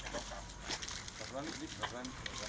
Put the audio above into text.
masuk taruhnya jadi bongkar